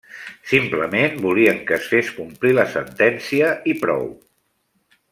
Simplement volien que es fes complir la sentència i prou.